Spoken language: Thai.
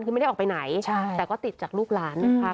คือไม่ได้ออกไปไหนแต่ก็ติดจากลูกหลานนะคะ